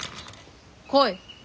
来い。